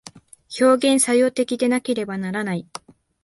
表現作用的でなければならない。